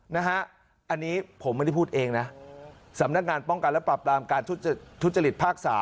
นะฮะอันนี้ผมไม่ได้พูดเองนะสำนักงานป้องกันและปรับรามการทุจริตภาค๓